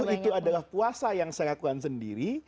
tiga puluh itu adalah puasa yang saya lakukan sendiri